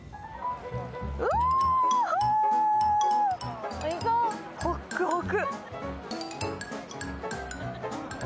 うわー、ホックホク。